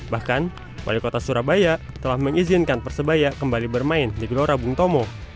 bahkan wali kota surabaya telah mengizinkan persebaya kembali bermain di gelora bung tomo